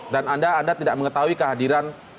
dan anda tidak mengetahui kehadiran